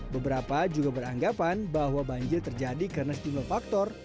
beberapa juga beranggapan bahwa banjir terjadi karena sejumlah faktor